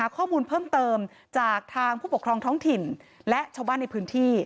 ข้อมูลเพิ่มเติมจากทางผู้ปกครองท้องถิ่นและชาวบ้านในพื้นที่